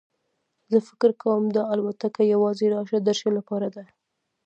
زه فکر کوم دا الوتکه یوازې راشه درشه لپاره ده.